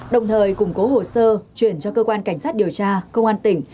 đồng thời củng cố hồ sơ chuyển cho cơ quan cảnh sát điều tra công an tỉnh